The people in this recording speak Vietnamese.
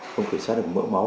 không kiểm soát được mỡ máu